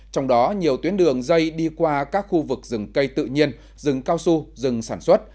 trong đó nhiều tuyến đường dây đi qua các khu vực rừng cây tự nhiên rừng cao su rừng sản xuất